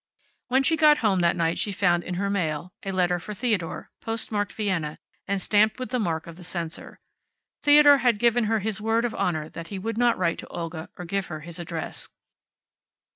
When she got home that night she found, in her mail, a letter for Theodore, postmarked Vienna, and stamped with the mark of the censor. Theodore had given her his word of honor that he would not write Olga, or give her his address.